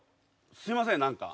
すいません何か。